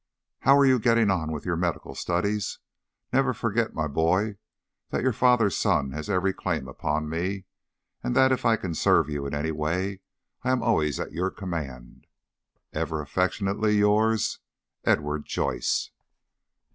"How are you getting on with your medical studies? Never forget, my boy, that your father's son has every claim upon me, and that if I can serve you in any way I am always at your command. Ever affectionately yours, "EDWARD JOYCE.